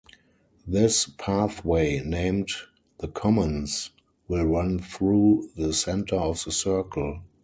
This pathway, named the Commons, will run through the centre of the circle.